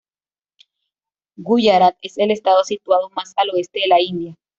Guyarat es el estado situado más al oeste de la India.